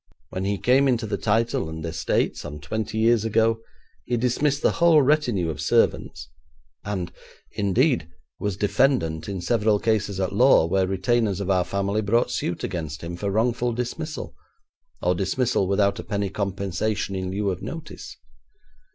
When he came into the title and estate some twenty years ago, he dismissed the whole retinue of servants, and, indeed, was defendant in several cases at law where retainers of our family brought suit against him for wrongful dismissal, or dismissal without a penny compensation in lieu of notice.